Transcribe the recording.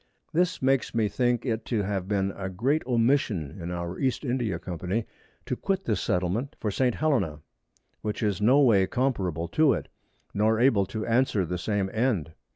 This makes me think it to have been a great Omission in our East India Company to quit this Settlement for St. Hellena, which is no way comparable to it, nor able to answer the same End.